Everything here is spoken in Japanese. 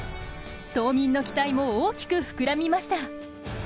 島民の期待も大きく膨らみました。